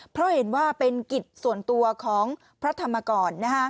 เพราะเห็นว่าเป็นกิจส่วนตัวของพระธรรมกร